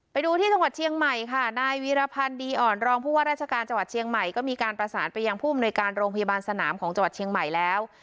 ไปดูที่จังหวัดเชียงใหม่ค่ะนายวีรพันธ์ดีอ่อนรองผู้ว่าราชการจังหวัดเชียงใหม่ก็มีการประสานไปยังผู้อำนวยการโรงพยาบาลสนามของจังหวัดเชียงใหม่แล้ว